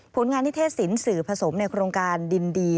ผลงานนิเทศสินสื่อผสมในโครงการดินดี